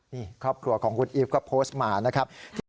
นี่ครอบครัวของคุณอีฟก็โพสต์มานะครับ